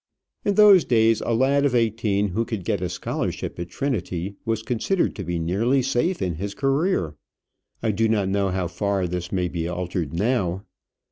In those days, a lad of eighteen who could get a scholarship at Trinity was considered to be nearly safe in his career. I do not know how far this may be altered now.